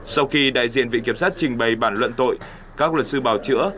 sau khi đại diện vị kiểm sát trình bày bản luận tội các luật sư bào chữa